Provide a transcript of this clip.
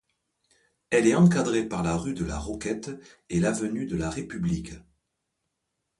Elle est encadrée par la rue de la Roquette et l'avenue de la République.